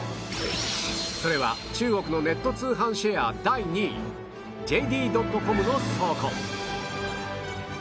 それは中国のネット通販シェア第２位 ＪＤ．ｃｏｍ の倉庫